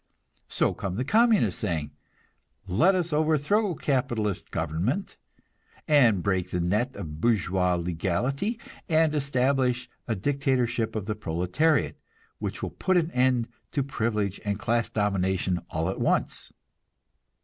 So come the Communists, saying, "Let us overthrow capitalist government, and break the net of bourgeois legality, and establish a dictatorship of the proletariat, which will put an end to privilege and class domination all at once."